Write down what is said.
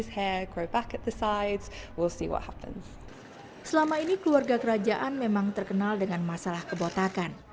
selama ini keluarga kerajaan memang terkenal dengan masalah kebotakan